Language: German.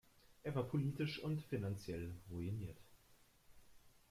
Er war politisch und finanziell ruiniert.